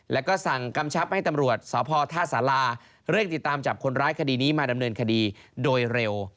แล้วก็สั่งกำชับให้ตำรวจสพท่าสาราเร่งติดตามจับคนร้ายคดีนี้มาดำเนินคดีโดยเร็ว